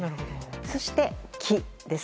そして、帰です。